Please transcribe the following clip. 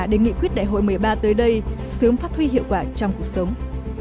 đại hội một mươi ba tới đây sớm phát huy hiệu quả trong cuộc sống